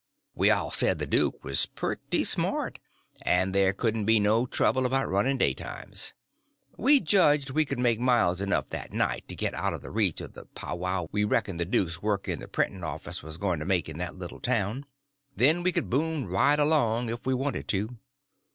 We all said the duke was pretty smart, and there couldn't be no trouble about running daytimes. We judged we could make miles enough that night to get out of the reach of the powwow we reckoned the duke's work in the printing office was going to make in that little town; then we could boom right along if we wanted to.